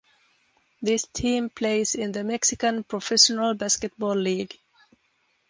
This team plays in the Mexican Professional Basketball League.